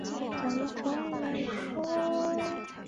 同时郭春富兼任中央军委纪律检查委员会委员。